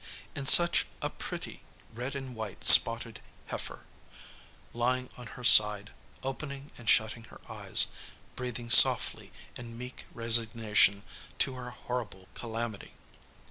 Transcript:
And such a pretty red and white spotted heifer, lying on her side, opening and shutting her eyes, breathing softly in meek resignation to her horrible calamity!